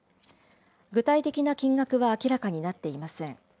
具体的な金額は明らかになっていません。